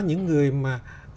những người mà